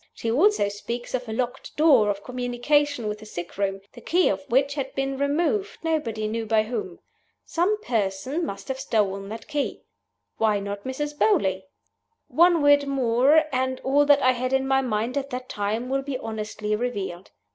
She also speaks of a locked door of communication with the sickroom, the key of which had been removed, nobody knew by whom. Some person must have stolen that key. Why not Mrs. Beauly? One word more, and all that I had in my mind at that time will be honestly revealed.